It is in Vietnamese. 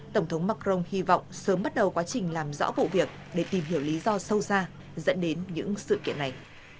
tổng thống macron hy vọng sớm bắt đầu quá trình làm rõ vụ việc để tìm hiểu lý do sâu xa dẫn đến những sự kiện này